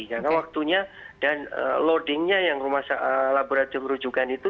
karena waktunya dan loadingnya yang laboratorium rujukan itu